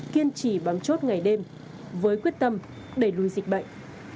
kiên trì bám chốt ngày đêm với quyết tâm đẩy lùi dịch bệnh